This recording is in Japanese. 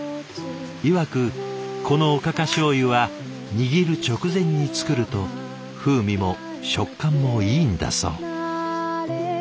いわくこの「おかかしょうゆ」は握る直前に作ると風味も食感もいいんだそう。